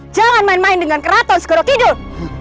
jangan main main dengan keraton segera tidur